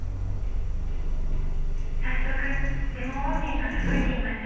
早速デモ音源が届いていました。